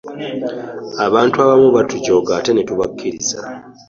abantu abamu batujooga ate ne tubakkiriza.